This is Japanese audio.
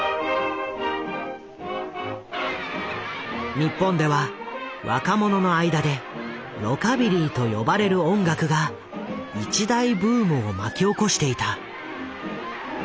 日本では若者の間でロカビリーと呼ばれる音楽が一大ブームを巻き起こしていた。